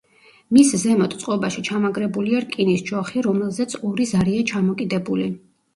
მის ზემოთ წყობაში ჩამაგრებულია რკინის ჯოხი რომელზეც ორი ზარია ჩამოკიდებული.